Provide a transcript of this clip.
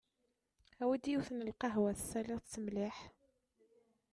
Awi-d yiwet n lqehwa tessaliḍ-tt mliḥ.